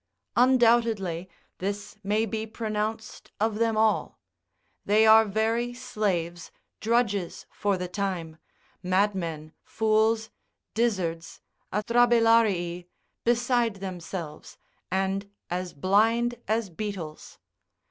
Undoubtedly this may be pronounced of them all, they are very slaves, drudges for the time, madmen, fools, dizzards, atrabilarii, beside themselves, and as blind as beetles.